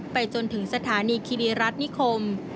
ไปจนถึงสถานีคิริรัฐนิคม